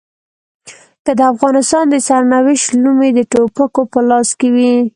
که د افغانستان د سرنوشت لومې د ټوپکو په لاس کې وي.